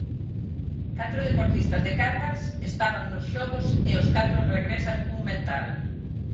Catro deportistas de Cangas estaban nos xogos e os catro regresan cun metal.